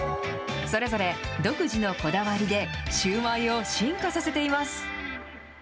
それぞれ独自のこだわりで、シューマイを進化させています。